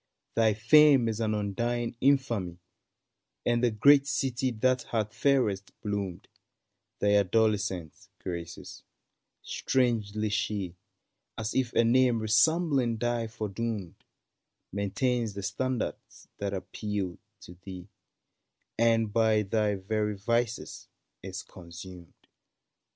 7^ PARIS Thy fame is an undying infamy ; And the great city that hath fairest bloomed Thine adolescent graces, — strangely she, As if a name resembling thine foredoomed, Maintains the standards that appealed to thee, And by thy very vices is consumed.